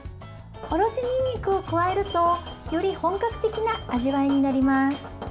おろしにんにくを加えるとより本格的な味わいになります。